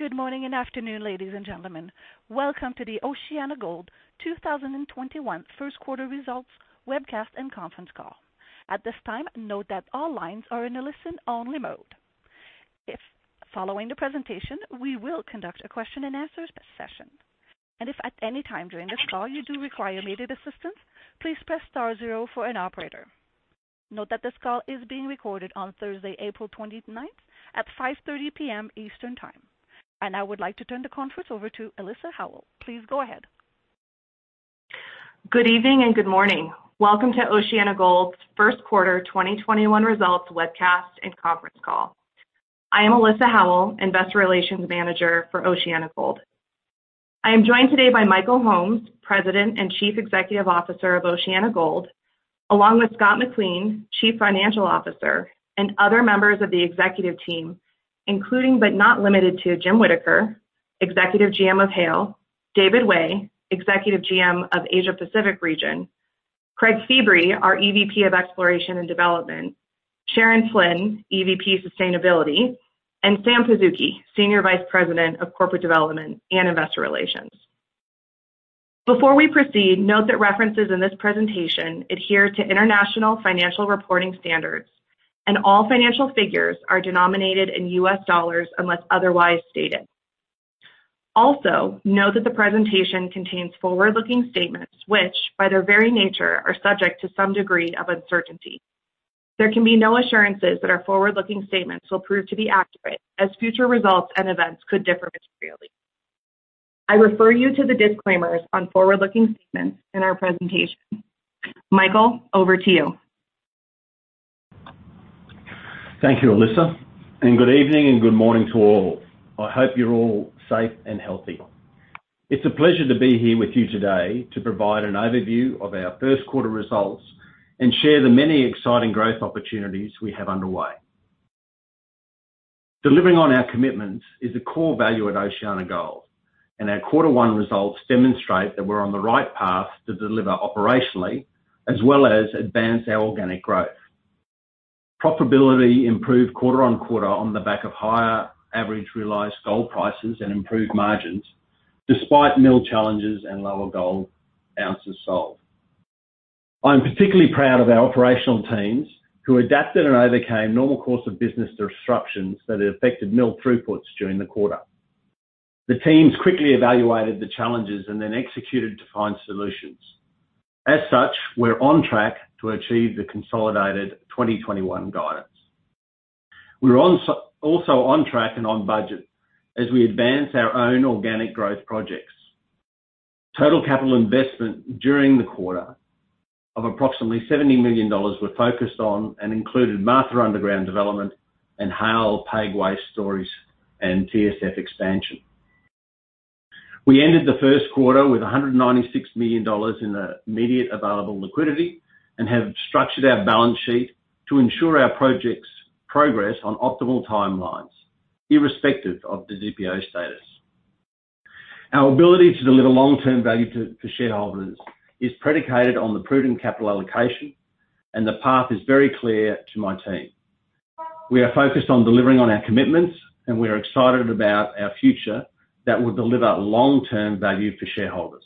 Good morning and afternoon, ladies and gentlemen. Welcome to the OceanaGold 2021 first quarter results webcast and conference call. At this time, note that all lines are in a listen-only mode. Following the presentation, we will conduct a question-and-answer session. If at any time during this call you do require immediate assistance, please press star zero for an operator. Note that this call is being recorded on Thursday, April 29th, at 5:30 P.M. Eastern Time. I would like to turn the conference over to Alyssa Howell. Please go ahead. Good evening and good morning. Welcome to OceanaGold's first quarter 2021 results webcast and conference call. I am Alyssa Howell, Investor Relations Manager for OceanaGold. I am joined today by Michael Holmes, President and Chief Executive Officer of OceanaGold, along with Scott McLean, Chief Financial Officer, and other members of the executive team, including, but not limited to, Jim Whittaker, Executive GM of Haile, David Way, Executive GM of Asia Pacific region, Craig Feebrey, our EVP of Exploration and Development, Sharon Flynn, EVP, Sustainability, and Sam Pazuki, Senior Vice President of Corporate Development and Investor Relations. Before we proceed, note that references in this presentation adhere to International Financial Reporting Standards and all financial figures are denominated in US dollars unless otherwise stated. Note that the presentation contains forward-looking statements which, by their very nature, are subject to some degree of uncertainty. There can be no assurances that our forward-looking statements will prove to be accurate, as future results and events could differ materially. I refer you to the disclaimers on forward-looking statements in our presentation. Michael, over to you. Thank you, Alyssa, and good evening and good morning to all. I hope you're all safe and healthy. It's a pleasure to be here with you today to provide an overview of our first quarter results and share the many exciting growth opportunities we have underway. Delivering on our commitments is a core value at OceanaGold, and our quarter one results demonstrate that we're on the right path to deliver operationally as well as advance our organic growth. Profitability improved quarter-on-quarter on the back of higher average realized gold prices and improved margins, despite mill challenges and lower gold ounces sold. I'm particularly proud of our operational teams who adapted and overcame normal course of business disruptions that affected mill throughputs during the quarter. The teams quickly evaluated the challenges and then executed to find solutions. As such, we're on track to achieve the consolidated 2021 guidance. We're also on track and on budget as we advance our own organic growth projects. Total capital investment during the quarter of approximately $70 million were focused on and included Martha Underground development and Haile PAG Waste storage and TSF expansion. We ended the first quarter with $196 million in immediate available liquidity and have structured our balance sheet to ensure our projects progress on optimal timelines, irrespective of Didipio status. Our ability to deliver long-term value to shareholders is predicated on the prudent capital allocation, and the path is very clear to my team. We are focused on delivering on our commitments, and we are excited about our future that will deliver long-term value for shareholders.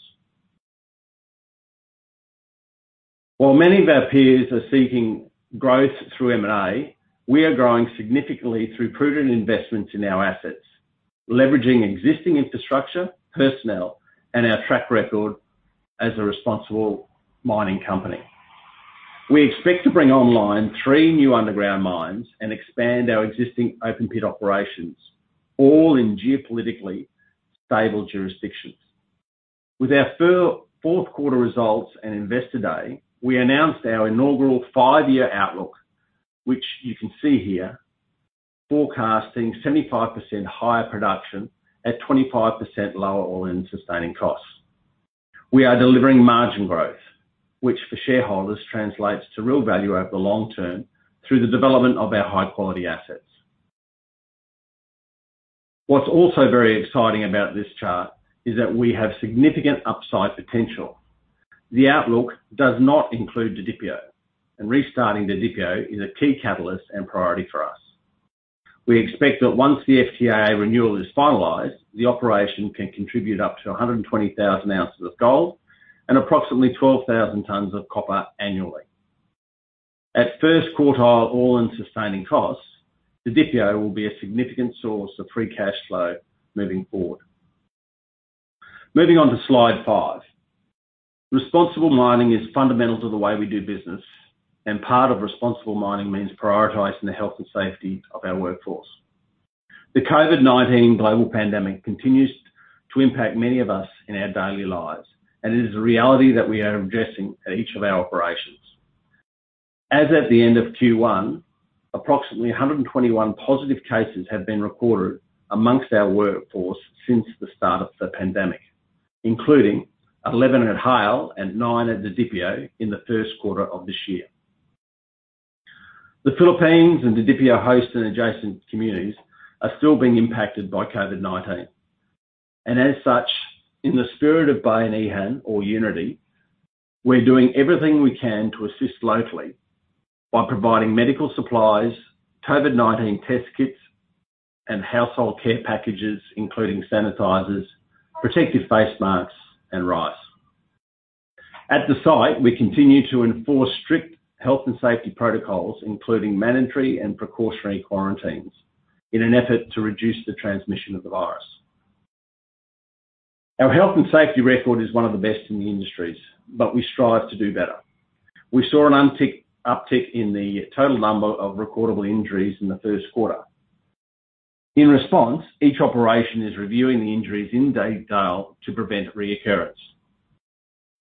While many of our peers are seeking growth through M&A, we are growing significantly through prudent investments in our assets, leveraging existing infrastructure, personnel, and our track record as a responsible mining company. We expect to bring online three new underground mines and expand our existing open-pit operations, all in geopolitically stable jurisdictions. With our fourth quarter results and Investor Day, we announced our inaugural five-year outlook, which you can see here, forecasting 75% higher production at 25% lower all-in sustaining costs. We are delivering margin growth, which for shareholders translates to real value over the long term through the development of our high-quality assets. What's also very exciting about this chart is that we have significant upside potential. The outlook does not include Didipio, and restarting Didipio is a key catalyst and priority for us. We expect that once the FTAA renewal is finalized, the operation can contribute up to 120,000 ounces of gold and approximately 12,000 tons of copper annually. At first quartile all-in sustaining costs, Didipio will be a significant source of free cash flow moving forward. Moving on to Slide five. Responsible mining is fundamental to the way we do business, and part of responsible mining means prioritizing the health and safety of our workforce. The COVID-19 global pandemic continues to impact many of us in our daily lives, and it is a reality that we are addressing at each of our operations. As at the end of Q1, approximately 121 positive cases have been recorded amongst our workforce since the start of the pandemic, including 11 at Haile and nine at Didipio in the first quarter of this year. The Philippines and Didipio host and adjacent communities are still being impacted by COVID-19. As such, in the spirit of Bayanihan or unity, we're doing everything we can to assist locally by providing medical supplies, COVID-19 test kits, and household care packages, including sanitizers, protective face masks, and rice. At the site, we continue to enforce strict health and safety protocols, including mandatory and precautionary quarantines in an effort to reduce the transmission of the virus. Our health and safety record is one of the best in the industries, but we strive to do better. We saw an uptick in the total number of recordable injuries in the first quarter. In response, each operation is reviewing the injuries in detail to prevent reoccurrence.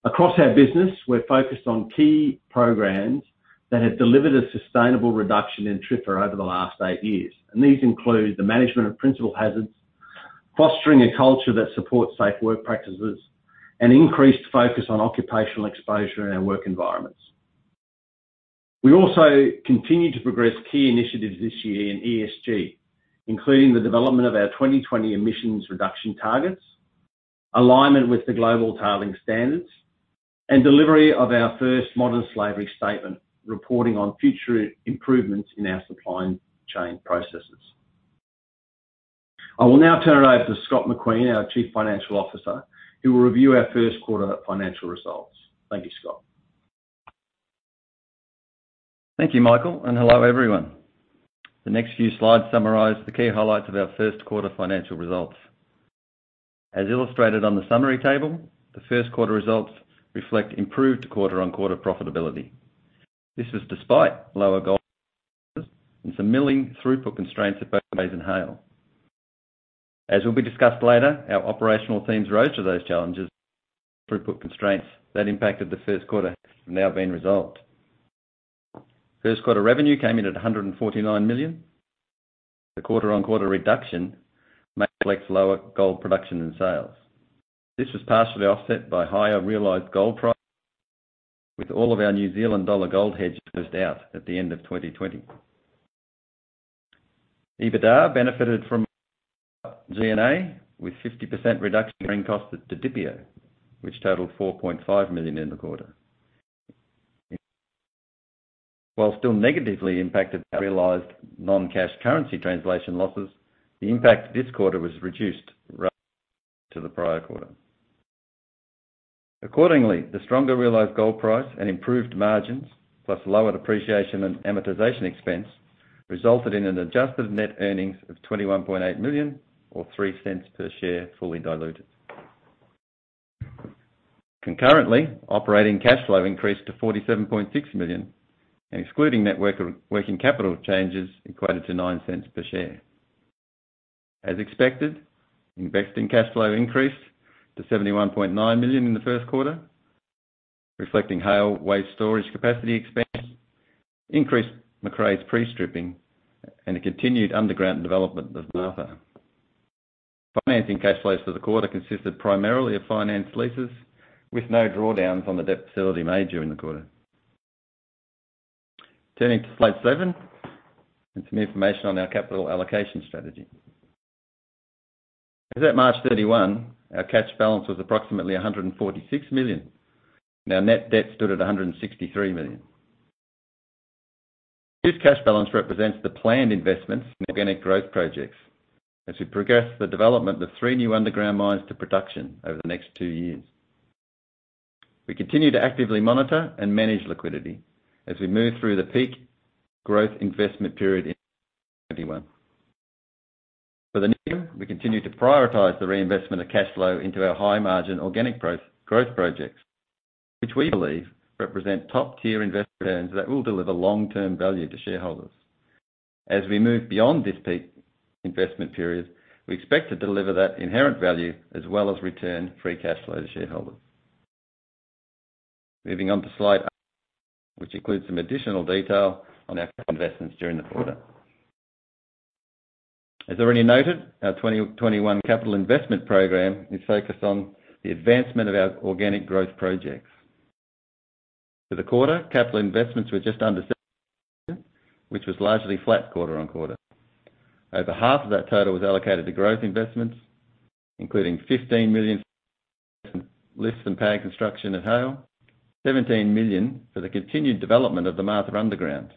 Across our business, we're focused on key programs that have delivered a sustainable reduction in TRIFR over the last eight years. These include the management of principal hazards, fostering a culture that supports safe work practices, and increased focus on occupational exposure in our work environments. We also continue to progress key initiatives this year in ESG, including the development of our 2020 emissions reduction targets, alignment with the global tailing standards, and delivery of our first modern slavery statement, reporting on future improvements in our supply chain processes. I will now turn it over to Scott McLean, our Chief Financial Officer, who will review our first quarter financial results. Thank you, Scott. Thank you, Michael. Hello, everyone. The next few slides summarize the key highlights of our first quarter financial results. As illustrated on the summary table, the first quarter results reflect improved quarter-on-quarter profitability. This was despite lower gold and some milling throughput constraints at both Didipio and Haile. As will be discussed later, our operational teams rose to those challenges, throughput constraints that impacted the first quarter have now been resolved. First quarter revenue came in at $149 million. The quarter-on-quarter reduction may reflect lower gold production and sales. This was partially offset by higher realized gold price, with all of our New Zealand dollar gold hedges first out at the end of 2020. EBITDA benefited from G&A, with 50% reduction in costs to Didipio, which totaled $4.5 million in the quarter. While still negatively impacted realized non-cash currency translation losses, the impact this quarter was reduced to the prior quarter. Accordingly, the stronger realized gold price and improved margins, plus lower depreciation and amortization expense, resulted in an adjusted net earnings of $21.8 million or $0.03 per share, fully diluted. Concurrently, operating cash flow increased to $47.6 million and excluding net working capital changes equated to $0.09 per share. As expected, investing cash flow increased to $71.9 million in the first quarter, reflecting Haile waste storage capacity expansion, increased Macraes pre-stripping, and the continued underground development of Martha. Financing cash flows for the quarter consisted primarily of finance leases, with no drawdowns on the debt facility made during the quarter. Turning to slide seven and some information on our capital allocation strategy. As at March 31, our cash balance was approximately $146 million, and our net debt stood at $163 million. This cash balance represents the planned investments in organic growth projects as we progress the development of three new underground mines to production over the next two years. We continue to actively monitor and manage liquidity as we move through the peak growth investment period in 2021. For the near, we continue to prioritize the reinvestment of cash flow into our high-margin organic growth projects, which we believe represent top-tier investment returns that will deliver long-term value to shareholders. As we move beyond this peak investment period, we expect to deliver that inherent value as well as return free cash flow to shareholders. Moving on to slide, which includes some additional detail on our investments during the quarter. As already noted, our 2021 capital investment program is focused on the advancement of our organic growth projects. For the quarter, capital investments were just under, which was largely flat quarter-on-quarter. Over half of that total was allocated to growth investments, including $15 million lifts and pad construction at Haile, $17 million for the continued development of the Martha Underground,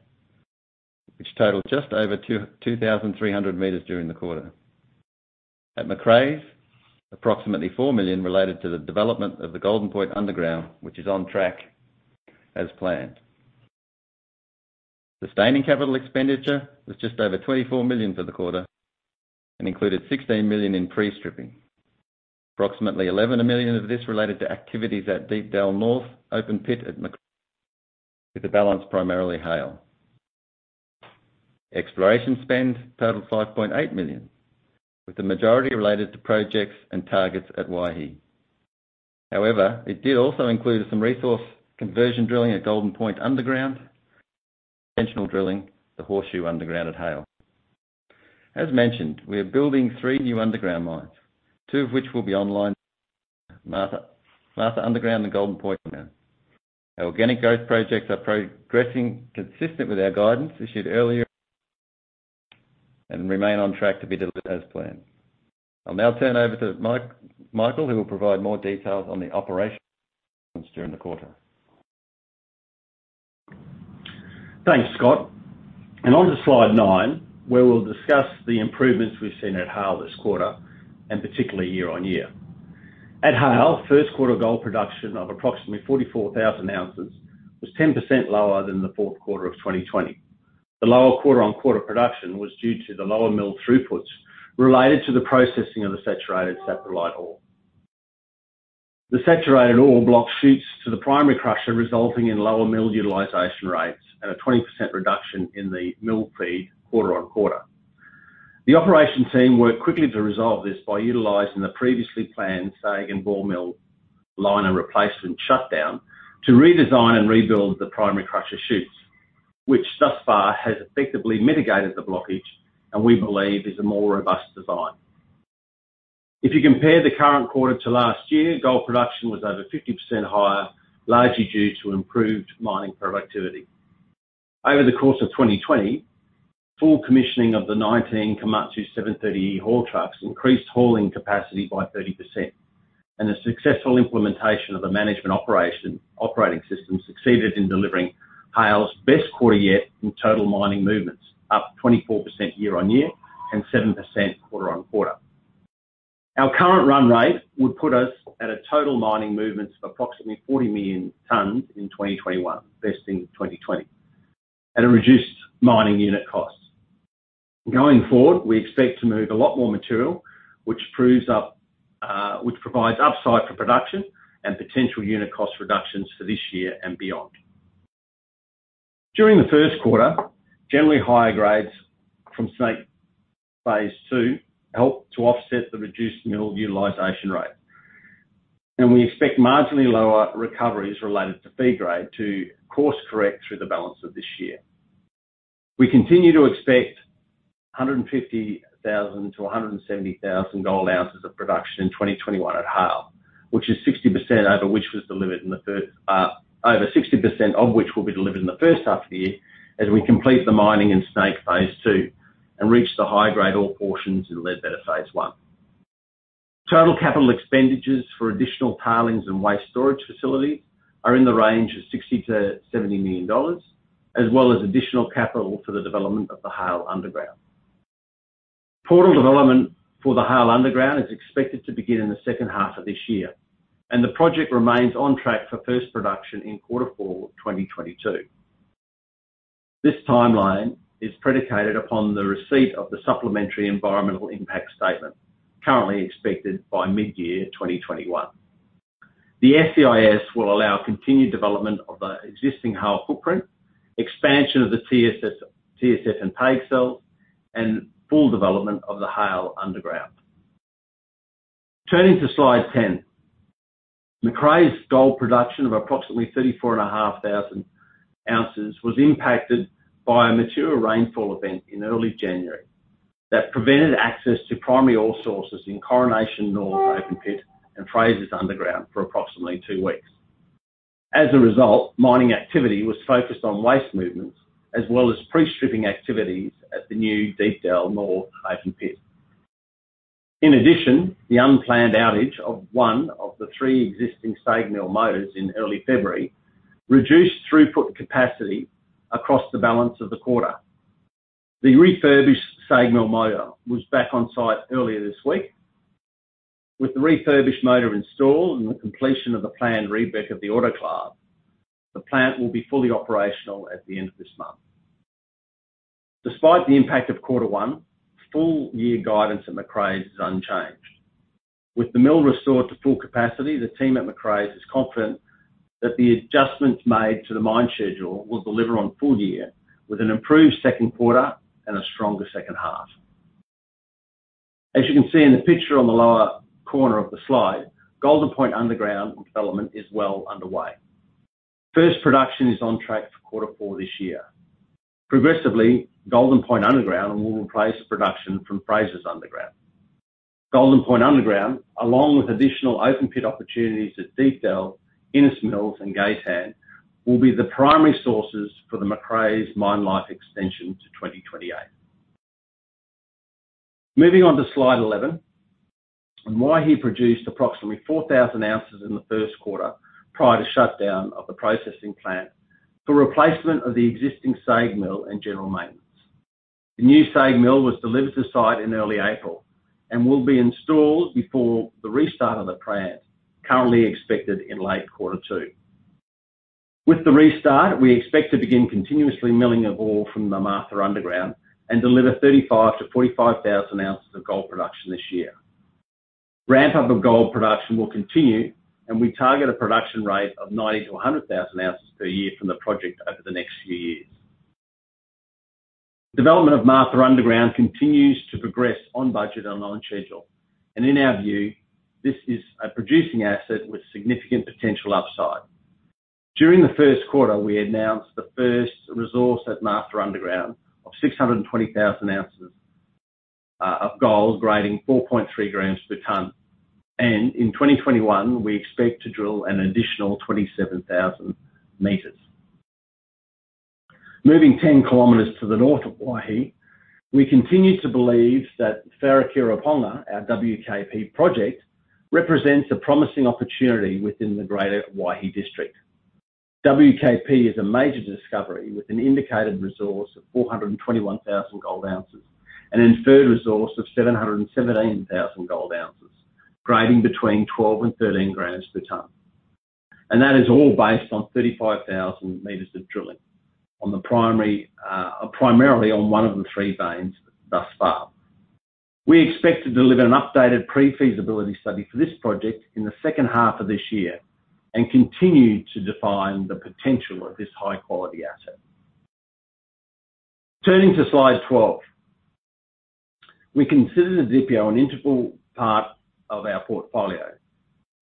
which totaled just over 2,300 meters during the quarter. At Macraes, approximately $4 million related to the development of the Golden Point Underground, which is on track as planned. Sustaining capital expenditure was just over $24 million for the quarter and included $16 million in pre-stripping. Approximately $11 million of this related to activities at Deepdell North open pit at Macraes, with the balance primarily Haile. Exploration spend totaled $5.8 million, with the majority related to projects and targets at Waihi. However, it did also include some resource conversion drilling at Golden Point underground, extensional drilling the Horseshoe underground at Haile. As mentioned, we are building three new underground mines, two of which will be online, Martha Underground and Golden Point. Our organic growth projects are progressing consistent with our guidance issued earlier and remain on track to be delivered as planned. I'll now turn over to Michael, who will provide more details on the operations during the quarter. Thanks, Scott. On to slide nine, where we'll discuss the improvements we've seen at Haile this quarter, and particularly year-on-year. At Haile, first quarter gold production of approximately 44,000 ounces was 10% lower than the fourth quarter of 2020. The lower quarter-on-quarter production was due to the lower mill throughputs related to the processing of the saturated saprolite ore. The saturated ore block chutes to the primary crusher, resulting in lower mill utilization rates and a 20% reduction in the mill feed quarter-on-quarter. The operation team worked quickly to resolve this by utilizing the previously planned SAG and ball mill liner replacement shutdown to redesign and rebuild the primary crusher chutes, which thus far has effectively mitigated the blockage, and we believe is a more robust design. If you compare the current quarter to last year, gold production was over 50% higher, largely due to improved mining productivity. Over the course of 2020, full commissioning of the 19 Komatsu 730E haul trucks increased hauling capacity by 30%. The successful implementation of the management operating system succeeded in delivering Haile's best quarter yet in total mining movements, up 24% year-on-year and 7% quarter-on-quarter. Our current run-rate would put us at a total mining movement of approximately 40 million tonnes in 2021, besting 2020, at a reduced mining unit cost. Going forward, we expect to move a lot more material, which provides upside for production and potential unit cost reductions for this year and beyond. During the first quarter, generally higher grades from Snake phase II helped to offset the reduced mill utilization rate. We expect marginally lower recoveries related to feed grade to course-correct through the balance of this year. We continue to expect 150,000-170,000 gold ounces of production in 2021 at Haile, over 60% of which will be delivered in the first half of the year as we complete the mining in Snake phase II and reach the high-grade ore portions in Ledbetter phase I. Total capital expenditures for additional tailings and waste storage facilities are in the range of $60 million-$70 million, as well as additional capital for the development of the Haile Underground. Portal development for the Haile Underground is expected to begin in the second half of this year. The project remains on track for first production in quarter four of 2022. This timeline is predicated upon the receipt of the supplementary environmental impact statement, currently expected by mid-year 2021. The SEIS will allow continued development of the existing Haile footprint, expansion of the TSF and tail cells, and full development of the Haile Underground. Turning to slide 10. Macraes gold production of approximately 34,500 ounces was impacted by a mature rainfall event in early January that prevented access to primary ore sources in Coronation North open pit and Frasers Underground for approximately two weeks. As a result, mining activity was focused on waste movements as well as pre-stripping activities at the new Deepdell North open pit. In addition, the unplanned outage of one of the three existing SAG mill motors in early February reduced throughput capacity across the balance of the quarter. The refurbished SAG mill motor was back on site earlier this week. With the refurbished motor installed and the completion of the planned rebrick of the autoclave, the plant will be fully operational at the end of this month. Despite the impact of Q1, full year guidance at Macraes is unchanged. With the mill restored to full capacity, the team at Macraes is confident that the adjustments made to the mine schedule will deliver on full year with an improved second quarter and a stronger second half. As you can see in the picture on the lower corner of the slide, Golden Point Underground development is well underway. First production is on track for quarter four this year. Progressively, Golden Point Underground will replace production from Frasers Underground. Golden Point Underground, along with additional open pit opportunities at Deepdell, Innes Mills and Gay's Hand, will be the primary sources for the Macraes mine life extension to 2028. Moving on to slide 11. Waihi produced approximately 4,000 ounces in the first quarter prior to shutdown of the processing plant for replacement of the existing SAG mill and general maintenance. The new SAG mill was delivered to site in early April and will be installed before the restart of the plant, currently expected in late Q2. With the restart, we expect to begin continuously milling ore from the Martha Underground and deliver 35,000-45,000 ounces of gold production this year. Ramp-up of gold production will continue, and we target a production rate of 90,000-100,000 ounces per year from the project over the next few years. Development of Martha Underground continues to progress on budget and on schedule. In our view, this is a producing asset with significant potential upside. During the first quarter, we announced the first resource at Martha Underground of 620,000 ounces of gold grading 4.3 g per ton. In 2021, we expect to drill an additional 27,000 m. Moving 10 km to the north of Waihi, we continue to believe that Wharekirauponga, our WKP project, represents a promising opportunity within the greater Waihi district. WKP is a major discovery with an indicated resource of 421,000 gold ounces, an inferred resource of 717,000 gold ounces, grading between 12 and 13 grams per ton. That is all based on 35,000 m of drilling, primarily on one of the three veins thus far. We expect to deliver an updated pre-feasibility study for this project in the second half of this year and continue to define the potential of this high-quality asset. Turning to slide 12. We consider Didipio an integral part of our portfolio,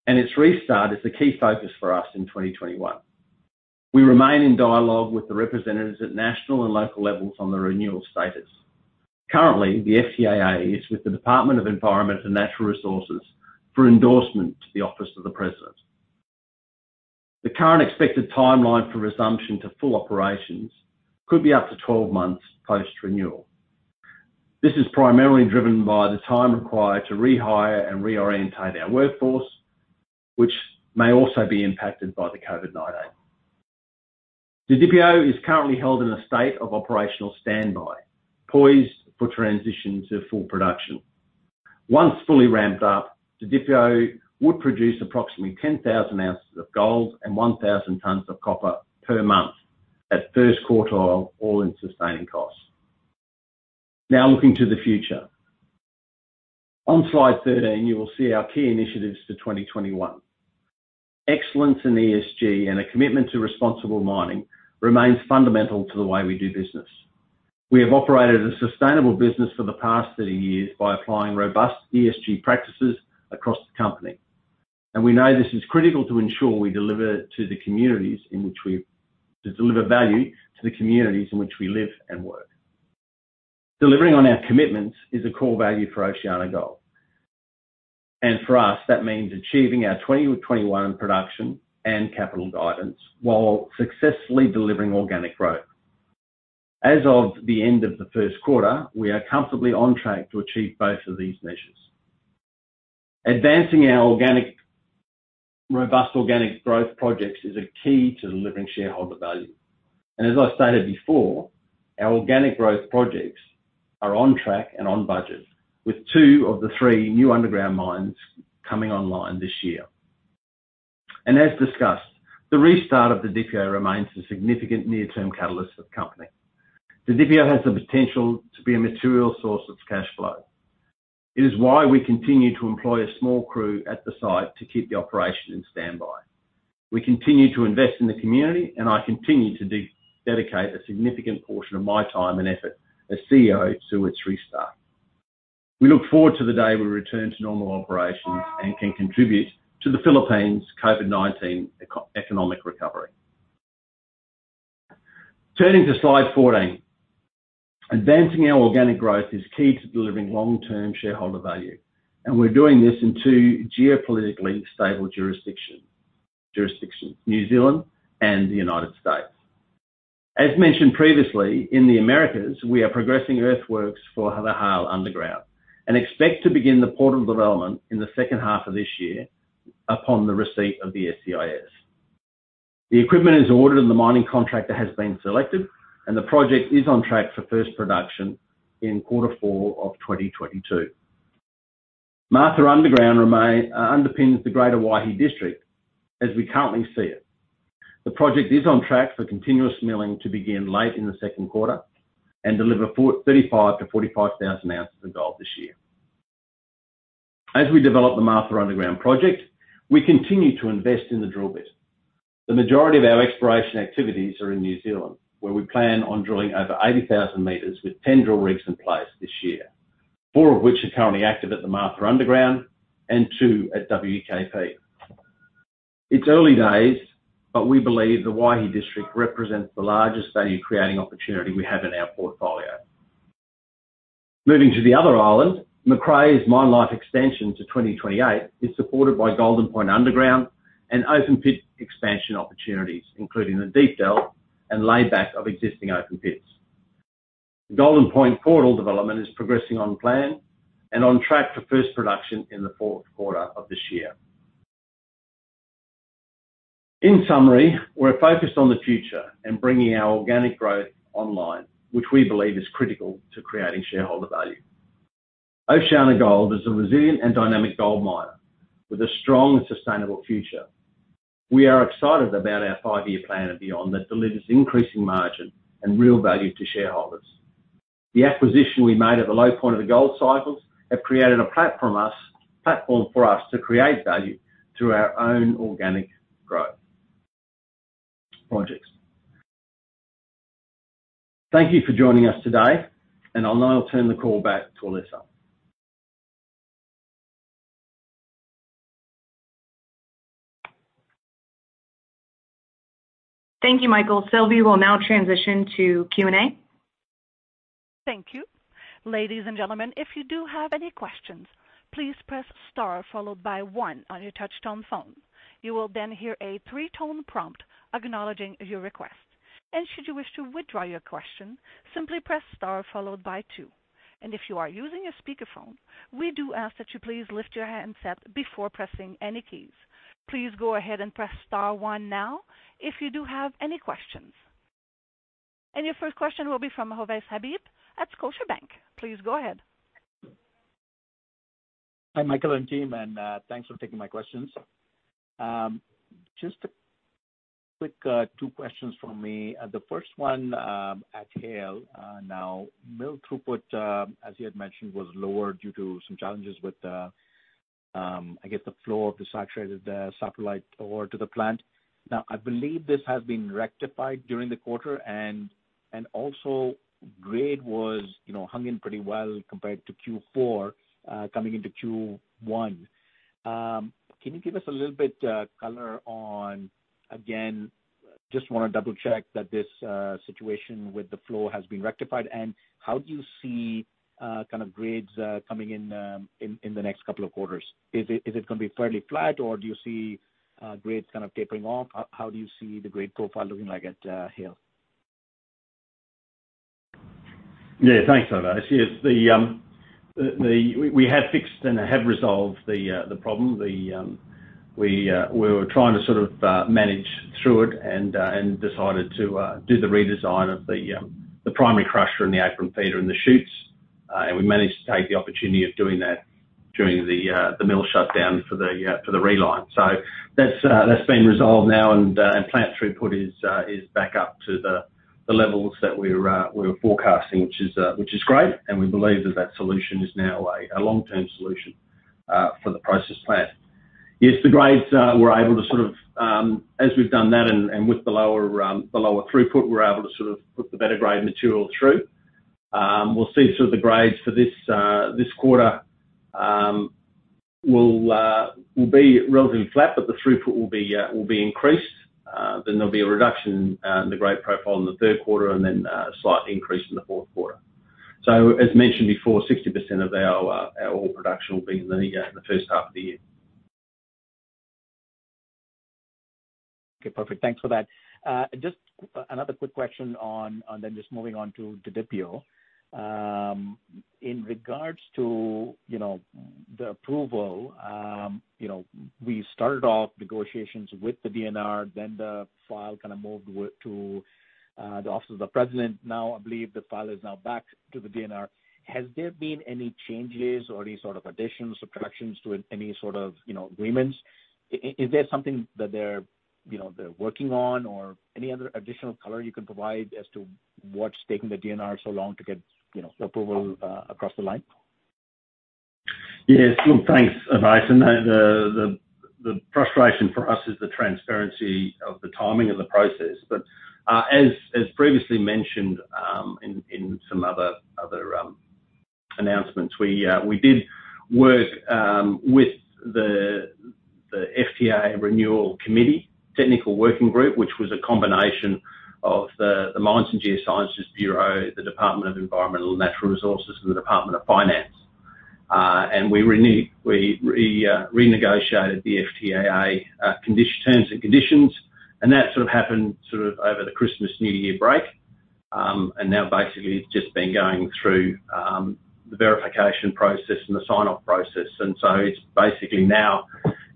and its restart is the key focus for us in 2021. We remain in dialogue with the representatives at national and local levels on the renewal status. Currently, the FTAA is with the Department of Environment and Natural Resources for endorsement to the Office of the President. The current expected timeline for resumption to full operations could be up to 12 months post-renewal. This is primarily driven by the time required to rehire and reorientate our workforce, which may also be impacted by the COVID-19. Didipio is currently held in a state of operational standby, poised for transition to full production. Once fully ramped up, Didipio would produce approximately 10,000 ounces of gold and 1,000 tons of copper per month at first quartile, all-in sustaining costs. Now looking to the future. On slide 13, you will see our key initiatives to 2021. Excellence in ESG and a commitment to responsible mining remains fundamental to the way we do business. We have operated a sustainable business for the past 30 years by applying robust ESG practices across the company. We know this is critical to ensure we deliver value to the communities in which we live and work. Delivering on our commitments is a core value for OceanaGold, and for us, that means achieving our 2021 production and capital guidance while successfully delivering organic growth. As of the end of the first quarter, we are comfortably on track to achieve both of these measures. Advancing our robust organic growth projects is a key to delivering shareholder value. As I stated before, our organic growth projects are on track and on budget, with two of the three new underground mines coming online this year. As discussed, the restart of Didipio remains a significant near-term catalyst for the company. Didipio has the potential to be a material source of cash flow. It is why we continue to employ a small crew at the site to keep the operation in standby. We continue to invest in the community, and I continue to dedicate a significant portion of my time and effort as CEO to its restart. We look forward to the day we return to normal operations and can contribute to the Philippines' COVID-19 economic recovery. Turning to slide 14. Advancing our organic growth is key to delivering long-term shareholder value, and we're doing this in two geopolitically stable jurisdictions, New Zealand and the United States. As mentioned previously, in the Americas, we are progressing earthworks for Haile Underground and expect to begin the portal development in the second half of this year upon the receipt of the SEIS. The equipment is ordered, and the mining contractor has been selected, and the project is on track for first production in quarter four of 2022. Martha Underground underpins the greater Waihi district as we currently see it. The project is on track for continuous milling to begin late in the second quarter and deliver 35,000-45,000 ounces of gold this year. As we develop the Martha Underground project, we continue to invest in the drill bit. The majority of our exploration activities are in New Zealand, where we plan on drilling over 80,000 meters with 10 drill rigs in place this year. Four of which are currently active at the Martha Underground and two at WKP. It's early days, but we believe the Waihi district represents the largest value-creating opportunity we have in our portfolio. Moving to the other island, Macraes' mine life extension to 2028 is supported by Golden Point Underground and open pit expansion opportunities, including the Deepdell North and layback of existing open pits. The Golden Point portal development is progressing on plan and on track for first production in the fourth quarter of this year. In summary, we're focused on the future and bringing our organic growth online, which we believe is critical to creating shareholder value. OceanaGold is a resilient and dynamic gold miner with a strong and sustainable future. We are excited about our five-year plan and beyond that delivers increasing margin and real value to shareholders. The acquisition we made at the low point of the gold cycles have created a platform for us to create value through our own organic growth projects. Thank you for joining us today, and I'll now turn the call back to Alyssa. Thank you, Michael. Sylvie will now transition to Q&A. Thank you. Ladies and gentlemen, if you do have any questions, please press star followed by oneon your touch-tone phone. You will hear a three-tone prompt acknowledging your request. Should you wish to withdraw your question, simply press star followed by two. If you are using a speakerphone, we do ask that you please lift your handset before pressing any keys. Please go ahead and press star one now if you do have any questions. Your first question will be from Ovais Habib at Scotiabank. Please go ahead. Hi, Michael and team, thanks for taking my questions. Just a quick two questions from me. The first one, at Haile. Mill throughput, as you had mentioned, was lower due to some challenges with, I guess, the flow of the saturated satellite ore to the plant. I believe this has been rectified during the quarter, also grade was hung in pretty well compared to Q4, coming into Q1. Can you give us a little bit of color on, again, just want to double-check that this situation with the flow has been rectified, how do you see grades coming in the next couple of quarters? Is it going to be fairly flat, do you see grades tapering off? How do you see the grade profile looking like at Haile? Yeah. Thanks, Ovais. Yes, we have fixed and have resolved the problem. We were trying to sort of manage through it and decided to do the redesign of the primary crusher and the apron feeder and the chutes. We managed to take the opportunity of doing that during the mill shutdown for the reline. That's been resolved now and plant throughput is back up to the levels that we were forecasting, which is great. We believe that that solution is now a long-term solution for the process plant. Yes, as we've done that and with the lower throughput, we're able to sort of put the better grade material through. We'll see the grades for this quarter will be relatively flat, but the throughput will be increased. There'll be a reduction in the grade profile in the third quarter and then a slight increase in the fourth quarter. As mentioned before, 60% of our ore production will be in the first half of the year. Okay, perfect. Thanks for that. Just another quick question on, and then just moving on to Didipio. In regards to the approval, we started off negotiations with the DENR, then the file moved to the Office of the President. Now, I believe the file is now back to the DENR. Have there been any changes or any sort of additions, subtractions to any sort of agreements? Is there something that they're working on or any other additional color you can provide as to what's taking the DENR so long to get approval across the line? Yes. Look, thanks, Ovais. The frustration for us is the transparency of the timing of the process. As previously mentioned in some other announcements, we did work with the FTAA Renewal Committee Technical Working Group, which was a combination of the Mines and Geosciences Bureau, the Department of Environment and Natural Resources, and the Department of Finance. We renegotiated the FTAA terms and conditions, and that happened over the Christmas, New Year break. Now basically it's just been going through the verification process and the sign-off process. It's basically now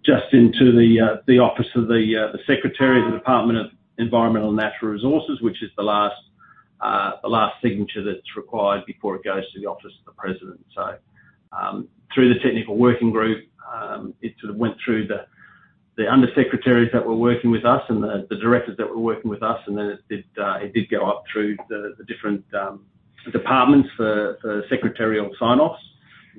just into the office of the Secretary of the Department of Environment and Natural Resources, which is the last signature that's required before it goes to the Office of the President. Through the Technical Working Group, it sort of went through the under secretaries that were working with us and the directors that were working with us, and then it did go up through the different departments for secretarial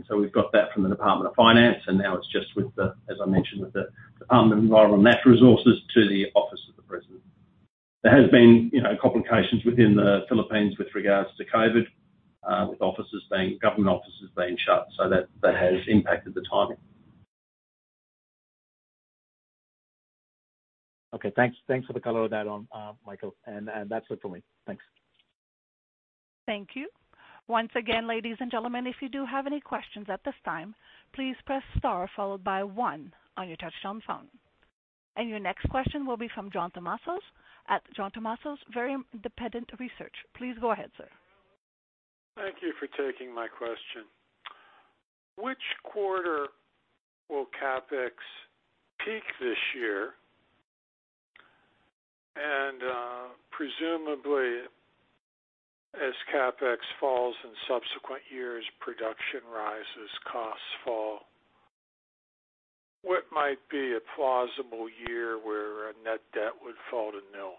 sign-offs. We've got that from the Department of Finance, and now it's just with the, as I mentioned, with the Department of Environment and Natural Resources to the Office of the President. There has been complications within the Philippines with regards to COVID, with government offices being shut, so that has impacted the timing. Okay. Thanks for the color on that, Michael. That's it for me. Thanks. Thank you. Once again, ladies and gentlemen, if you do have any questions at this time, please press star followed by one on your touch-tone phone. Your next question will be from John Tumazos at John Tumazos Very Independent Research. Please go ahead, sir. Thank you for taking my question. Which quarter will CapEx peak this year? Presumably as CapEx falls in subsequent years, production rises, costs fall. What might be a plausible year where a net debt would fall to nil?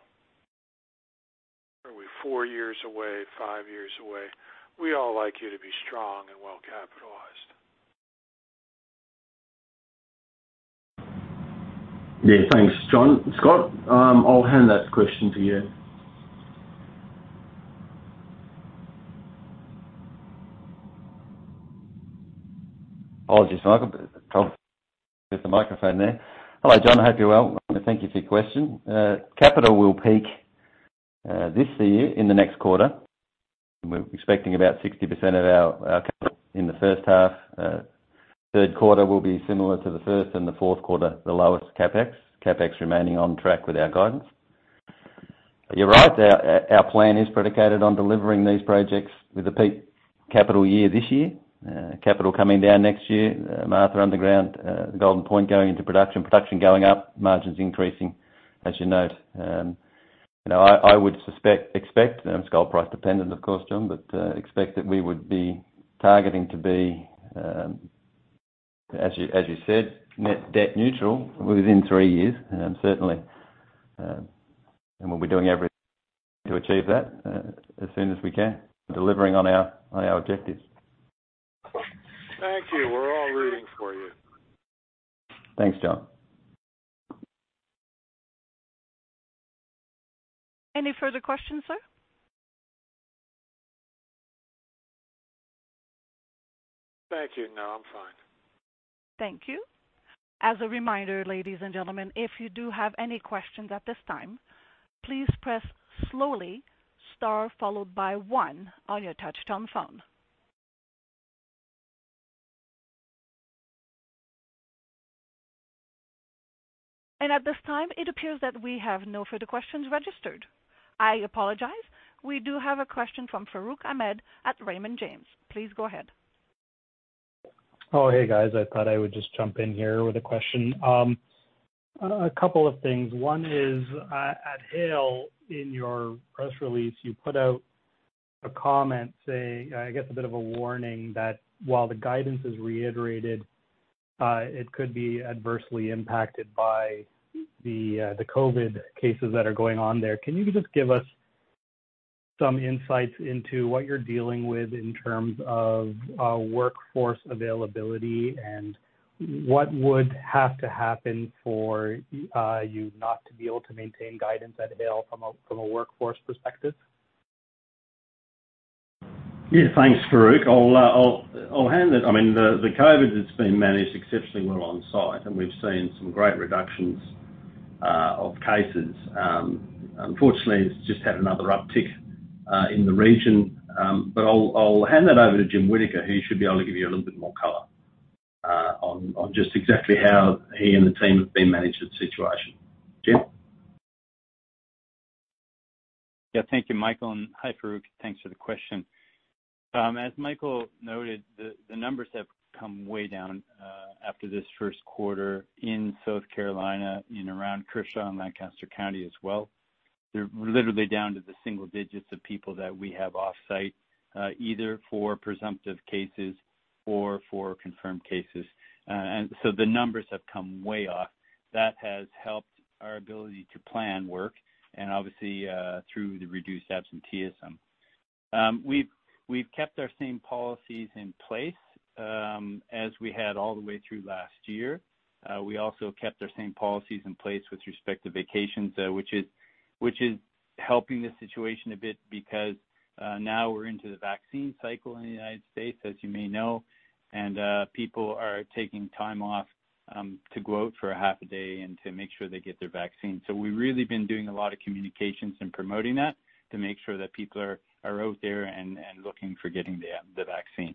Are we four years away, five years away? We all like you to be strong and well-capitalized. Yeah. Thanks, John. Scott, I'll hand that question to you. Apologies, Michael. Trouble with the microphone there. Hello, John. I hope you're well. Thank you for your question. Capital will peak this year in the next quarter. We're expecting about 60% of our capital in the first half. Third quarter will be similar to the first and the fourth quarter, the lowest CapEx. CapEx remaining on track with our guidance. You're right, our plan is predicated on delivering these projects with a peak capital year this year. Capital coming down next year. Martha Underground, Golden Point going into production going up, margins increasing, as you note. I would expect, it's gold price dependent, of course, John, but expect that we would be targeting to be, as you said, net debt neutral within three years, certainly. We'll be doing everything to achieve that as soon as we can, delivering on our objectives. Thank you. We're all rooting for you. Thanks, John. Any further questions, sir? Thank you. No, I'm fine. Thank you. As a reminder, ladies and gentlemen, if you do have any questions at this time, please press slowly, star followed by one on your touch-tone phone. At this time, it appears that we have no further questions registered. I apologize. We do have a question from Farooq Hamed at Raymond James. Please go ahead. Oh, hey, guys. I thought I would just jump in here with a question. A couple of things. One is, at Haile, in your press release, you put out a comment saying, I guess a bit of a warning, that while the guidance is reiterated, it could be adversely impacted by the COVID cases that are going on there. Can you just give us some insights into what you're dealing with in terms of workforce availability and what would have to happen for you not to be able to maintain guidance at Haile from a workforce perspective? Yeah, thanks, Farooq. The COVID-19 has been managed exceptionally well on-site, and we've seen some great reductions of cases. Unfortunately, it's just had another uptick in the region. I'll hand that over to Jim Whittaker, who should be able to give you a little bit more color on just exactly how he and the team have been managing the situation. Jim? Yeah. Thank you, Michael, and hi, Farooq. Thanks for the question. As Michael noted, the numbers have come way down after this first quarter in South Carolina and around Kershaw and Lancaster County as well. They're literally down to the single digits of people that we have off-site, either for presumptive cases or for confirmed cases. The numbers have come way off. That has helped our ability to plan work and obviously through the reduced absenteeism. We've kept our same policies in place as we had all the way through last year. We also kept our same policies in place with respect to vacations, which is helping the situation a bit because now we're into the vaccine cycle in the U.S., as you may know, and people are taking time off to go out for a half a day and to make sure they get their vaccine. We've really been doing a lot of communications and promoting that to make sure that people are out there and looking for getting the vaccine.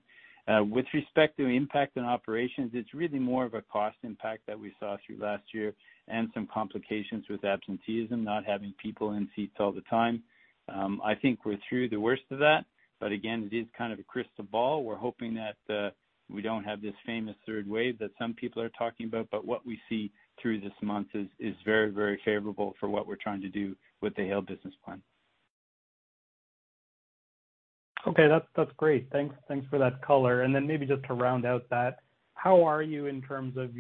With respect to impact on operations, it's really more of a cost impact that we saw through last year and some complications with absenteeism, not having people in seats all the time. I think we're through the worst of that, but again, it is kind of a crystal ball. We're hoping that we don't have this famous third wave that some people are talking about, but what we see through this month is very, very favorable for what we're trying to do with the Haile business plan. Okay. That's great. Thanks for that color. Then maybe just to round out that, how are you in terms of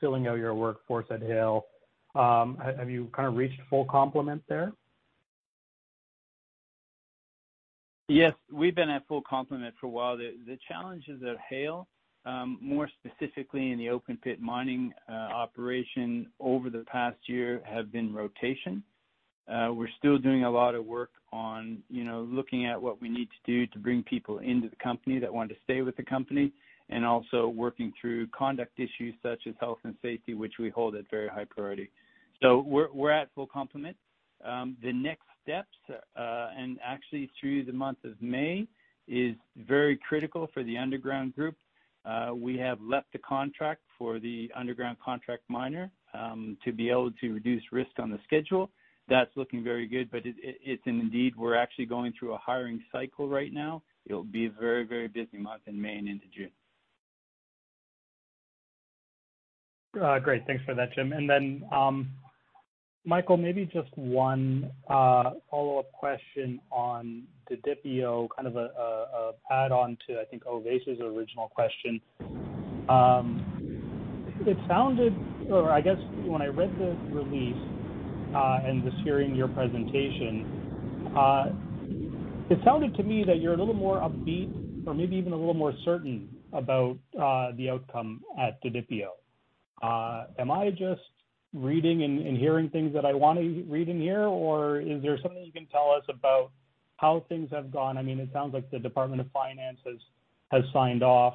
filling out your workforce at Haile? Have you reached full complement there? Yes. We've been at full complement for a while. The challenges at Haile, more specifically in the open pit mining operation over the past year, have been rotation. We're still doing a lot of work on looking at what we need to do to bring people into the company that want to stay with the company and also working through conduct issues such as health and safety, which we hold at very high priority. We're at full complement. The next steps, and actually through the month of May, is very critical for the underground group. We have let the contract for the underground contract miner to be able to reduce risk on the schedule. That's looking very good, it's an indeed, we're actually going through a hiring cycle right now. It'll be a very, very busy month in May and into June. Great. Thanks for that, Jim. Michael, maybe just one follow-up question on Didipio, kind of a add-on to, I think, Ovais's original question. I guess when I read the release, and just hearing your presentation, it sounded to me that you're a little more upbeat or maybe even a little more certain about the outcome at Didipio. Am I just reading and hearing things that I want to read and hear? Is there something you can tell us about how things have gone? It sounds like the Department of Finance has signed off.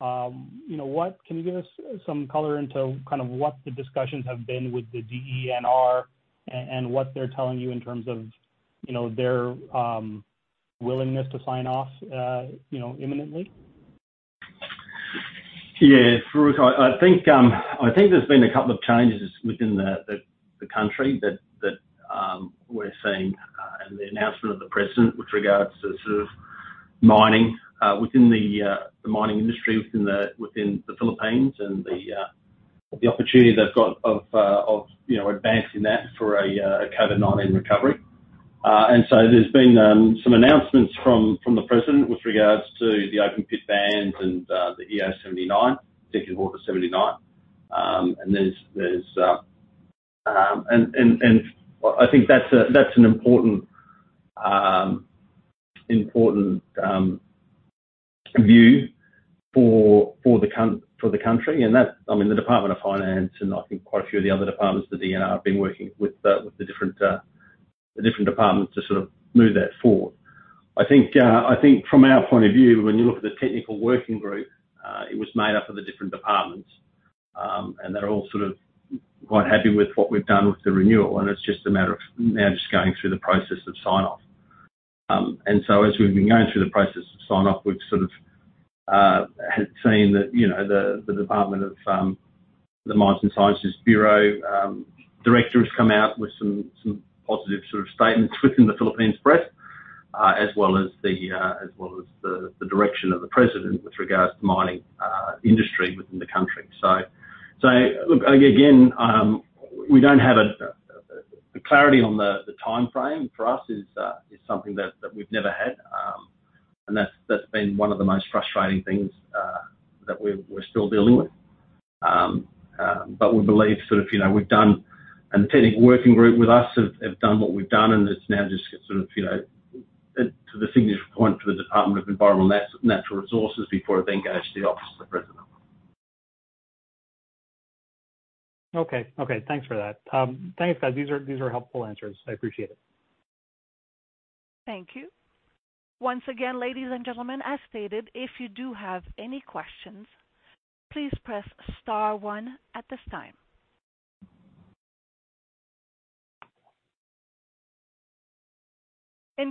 Can you give us some color into, kind of what the discussions have been with the DENR and what they're telling you in terms of their willingness to sign off imminently? Yeah. Farooq, I think there's been a couple of changes within the country that we're seeing, the announcement of the President with regards to sort of mining within the mining industry within the Philippines and the opportunity they've got of advancing that for a COVID-19 recovery. There's been some announcements from the President with regards to the open pit bans and the EO 79. I think that's an important view for the country and the Department of Finance and I think quite a few of the other departments, the DENR, have been working with the different departments to sort of move that forward. I think from our point of view, when you look at the technical working group, it was made up of the different departments, and they're all sort of quite happy with what we've done with the renewal, and it's just a matter of now just going through the process of sign-off. As we've been going through the process of sign-off, we've sort of had seen that the Department of the Mines and Geosciences Bureau director has come out with some positive sort of statements within the Philippine press, as well as the direction of the President with regards to mining industry within the country. Look, again, the clarity on the timeframe for us is something that we've never had. That's been one of the most frustrating things that we're still dealing with. We believe sort of the Technical Working Group with us have done what we've done, and it's now just sort of to the signature point to the Department of Environment and Natural Resources before it then goes to the Office of the President. Okay. Thanks for that. Thanks, guys. These are helpful answers. I appreciate it. Thank you. Once again, ladies and gentlemen, as stated, if you do have any questions, please press star one at this time.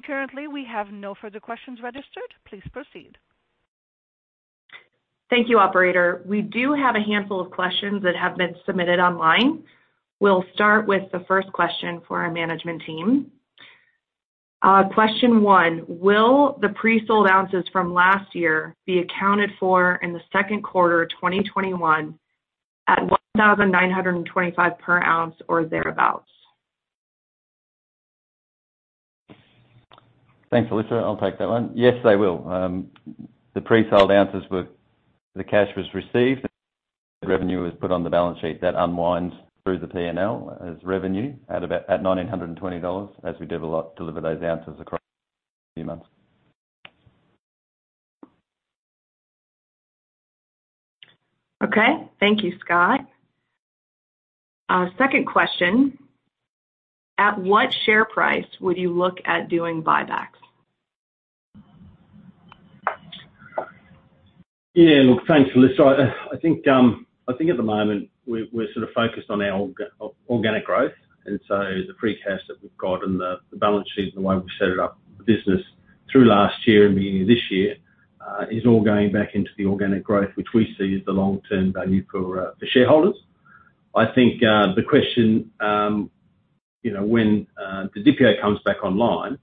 Currently, we have no further questions registered. Please proceed. Thank you, operator. We do have a handful of questions that have been submitted online. We'll start with the first question for our management team. Question one, will the pre-sold ounces from last year be accounted for in the second quarter 2021 at $1,925 per ounce or thereabouts? Thanks, Alyssa. I'll take that one. Yes, they will. The cash was received, the revenue was put on the balance sheet. That unwinds through the P&L as revenue at about $1,920 as we deliver those ounces across a few months. Okay. Thank you, Scott. Second question, at what share price would you look at doing buybacks? Yeah. Look, thanks, Alyssa. I think at the moment, we're sort of focused on our organic growth, and so the free cash that we've got and the balance sheet and the way we've set it up, the business through last year and beginning of this year, is all going back into the organic growth, which we see as the long-term value for shareholders. I think, the question, when Didipio comes back online,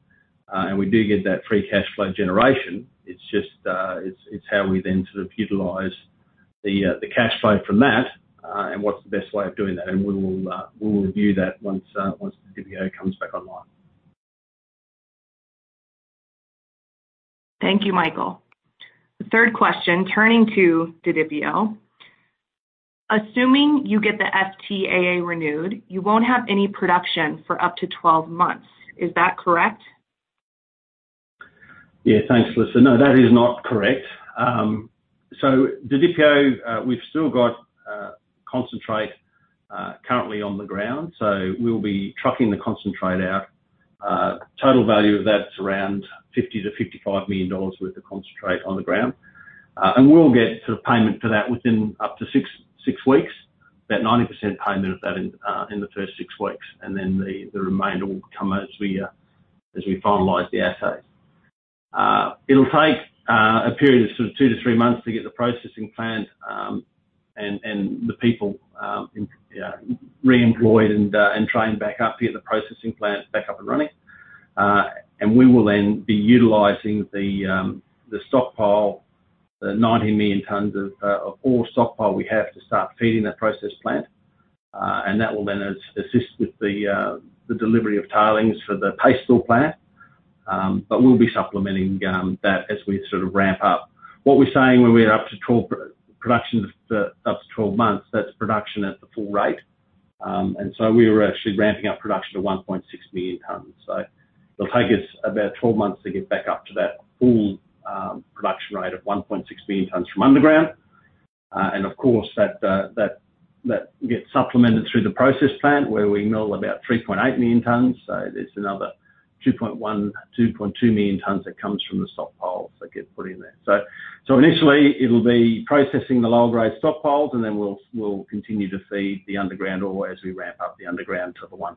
and we do get that free cash flow generation, it's how we then sort of utilize the cash flow from that, and what's the best way of doing that. We will review that once Didipio comes back online. Thank you, Michael. The third question, turning to Didipio, assuming you get the FTAA renewed, you won't have any production for up to 12 months. Is that correct? Yeah. Thanks, Alyssa. No, that is not correct. Didipio, we've still got concentrate currently on the ground, so we'll be trucking the concentrate out. Total value of that's around $50 million-$55 million worth of concentrate on the ground. We'll get sort of payment for that within up to six weeks, about 90% payment of that in the first six weeks, and then the remainder will come as we finalize the assay. It'll take a period of sort of two to three months to get the processing plant and the people reemployed and trained back up, get the processing plant back up and running. We will then be utilizing the stockpile, the 90 million tons of ore stockpile we have to start feeding that process plant. That will then assist with the delivery of tailings for the paste store plant. We'll be supplementing that as we sort of ramp up. What we're saying when we're up to 12 production, up to 12 months, that's production at the full rate. We were actually ramping up production to 1.6 million tonnes. It'll take us about 12 months to get back up to that full production rate of 1.6 million tonnes from underground. That gets supplemented through the process plant where we mill about 3.8 million tonnes. There's another 2.1 million, 2.2 million tonnes that comes from the stockpiles that get put in there. Initially it'll be processing the low-grade stockpiles, and then we'll continue to feed the underground ore as we ramp up the underground to the 1.6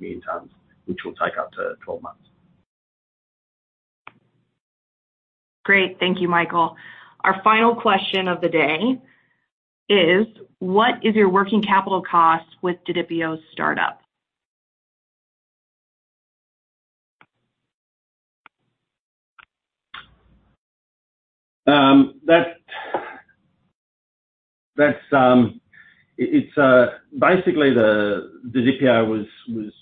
million tonnes, which will take up to 12 months. Great. Thank you, Michael. Our final question of the day is, what is your working capital cost with Didipio's startup? Basically, the Didipio was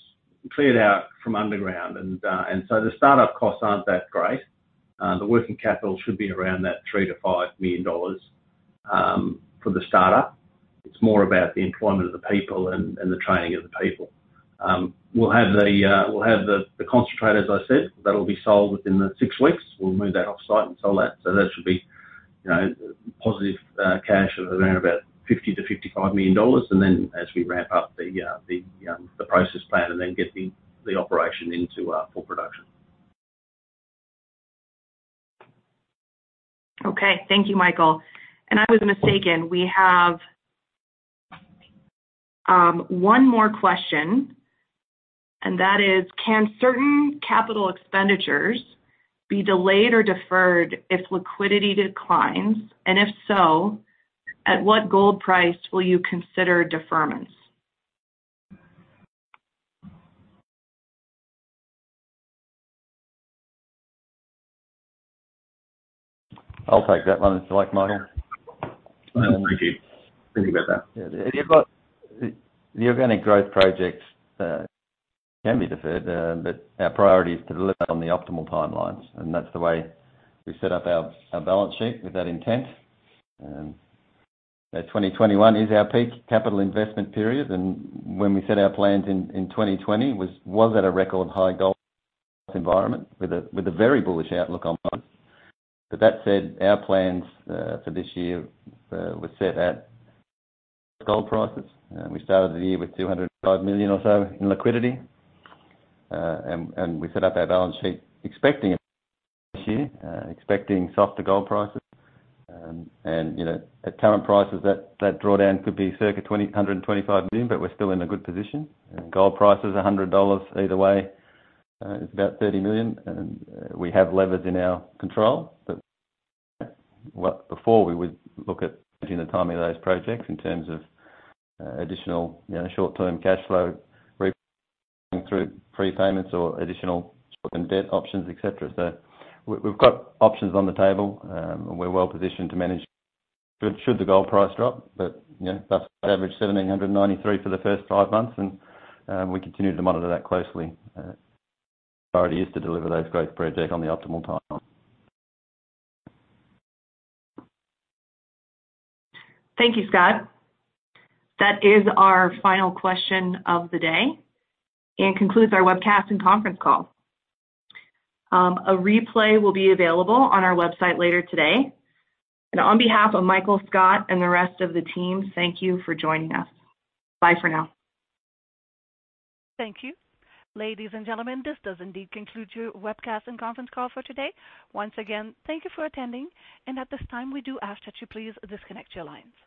cleared out from underground. The startup costs aren't that great. The working capital should be around that $3 million-$5 million for the startup. It's more about the employment of the people and the training of the people. We'll have the concentrate, as I said. That'll be sold within the six weeks. We'll move that offsite and sell that. That should be positive cash of around about $50 million-$55 million. As we ramp up the process plant and then get the operation into full production. Okay. Thank you, Michael. I was mistaken. We have one more question, and that is: can certain capital expenditures be delayed or deferred if liquidity declines? If so, at what gold price will you consider deferments? I'll take that one, if you like, Michael. Thank you. Think about that. Yeah. Any growth projects can be deferred. Our priority is to deliver on the optimal timelines. That's the way we set up our balance sheet with that intent. 2021 is our peak capital investment period, and when we set our plans in 2020 was at a record high gold environment with a very bullish outlook on gold. That said, our plans for this year were set at gold prices. We started the year with $205 million or so in liquidity. We set up our balance sheet expecting it this year, expecting softer gold prices. At current prices, that drawdown could be circa $125 million, but we're still in a good position. Gold price is $100 either way. It's about $30 million. We have levers in our control that what before we would look at changing the timing of those projects in terms of additional short-term cash flow through prepayments or additional short-term debt options, et cetera. We've got options on the table, and we're well positioned to manage, should the gold price drop. Thus far, average $1,793 for the first five months, and we continue to monitor that closely. Priority is to deliver those growth projects on the optimal timeline. Thank you, Scott. That is our final question of the day and concludes our webcast and conference call. A replay will be available on our website later today. On behalf of Michael, Scott, and the rest of the team, thank you for joining us. Bye for now. Thank you. Ladies and gentlemen, this does indeed conclude your webcast and conference call for today. Once again, thank you for attending, and at this time, we do ask that you please disconnect your lines.